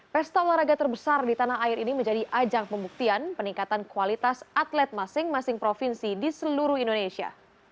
pesta olahraga terbesar di tanah air ini menjadi ajang pembuktian peningkatan kualitas atlet masing masing provinsi di seluruh indonesia